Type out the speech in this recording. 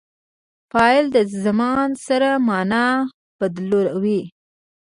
فعل د زمان سره مانا بدلوي.